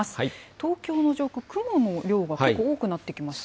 東京の上空、雲の量が結構多くなってきましたか。